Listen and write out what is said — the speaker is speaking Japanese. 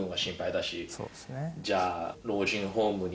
じゃあ。